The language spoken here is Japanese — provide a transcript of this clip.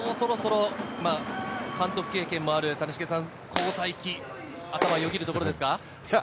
もうそろそろ監督経験もある谷繁さん、交代が頭をよぎるところですか？